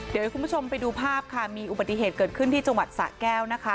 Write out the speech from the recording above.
เดี๋ยวให้คุณผู้ชมไปดูภาพค่ะมีอุบัติเหตุเกิดขึ้นที่จังหวัดสะแก้วนะคะ